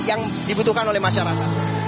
yang dibutuhkan oleh masyarakat